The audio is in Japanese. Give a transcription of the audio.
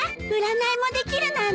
占いもできるなんて。